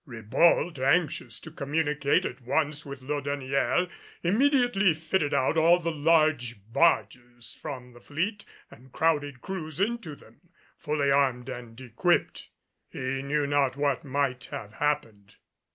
Ribault, anxious to communicate at once with Laudonnière, immediately fitted out all the large barges from the fleet and crowded crews into them, fully armed and equipped. He knew not what might have happened.